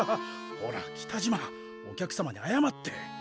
ほら北島お客様にあやまって！